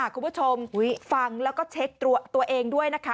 คุณผู้ชมฟังแล้วก็เช็คตัวเองด้วยนะคะ